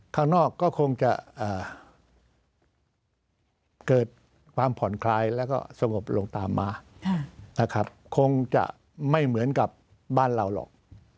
ข้างนอกก็คงจะเกิดความผ่อนคลายแล้วก็สงบลงตามมานะครับคงจะไม่เหมือนกับบ้านเราหรอก